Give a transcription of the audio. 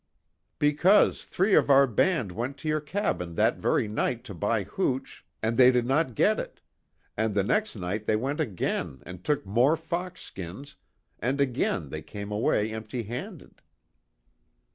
"Because, three of our band went to your cabin that very night to buy hooch, and they did not get it. And the next night they went again and took more fox skins, and again they came away empty handed."